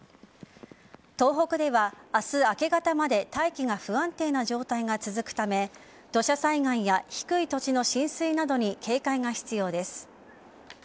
東北では、明日明け方まで大気が不安定な状態が続くため土砂災害や低い土地の浸水などに警戒が必要です。